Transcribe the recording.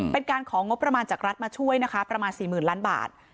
เป็นการของงบประมาณจากรัฐมาช่วยนะคะประมาณ๔๐๐๐ล้านบาท